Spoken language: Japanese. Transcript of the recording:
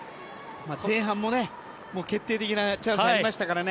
前半も決定的なチャンスがありましたからね。